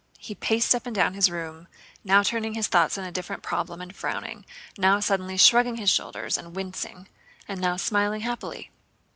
He paced up and down his room, now turning his thoughts on a difficult problem and frowning, now suddenly shrugging his shoulders and wincing, and now smiling happily.